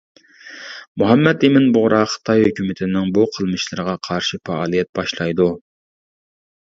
مۇھەممەد ئىمىن بۇغرا خىتاي ھۆكۈمىتىنىڭ بۇ قىلمىشلىرىغا قارشى پائالىيەت باشلايدۇ.